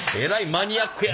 マニアック。